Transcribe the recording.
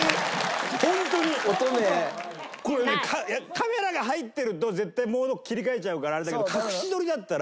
カメラが入ってると絶対モードを切り替えちゃうからあれだけど隠し撮りだったら。